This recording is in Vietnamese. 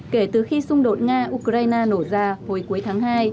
kể từ khi xung đột nga ukraine nổ ra hồi cuối tháng hai